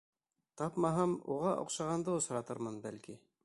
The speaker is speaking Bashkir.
Тапмаһам, уға оҡшағанды осратырмын, бәлки.